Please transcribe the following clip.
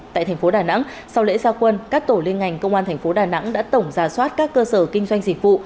tại thành phố đà nẵng sau lễ gia quân các tổ liên ngành công an thành phố đà nẵng đã tổng giả soát các cơ sở kinh doanh dịch vụ